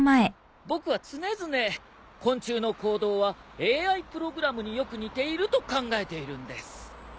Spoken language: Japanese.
僕は常々昆虫の行動はＡＩプログラムによく似ていると考えているんです。